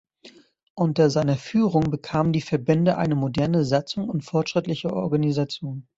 Unter seiner Führung bekamen die Verbände eine moderne Satzung und fortschrittliche Organisation.